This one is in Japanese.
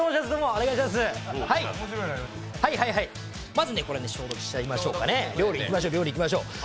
まずね、これで消毒しちゃいましょうね、料理いきましょう。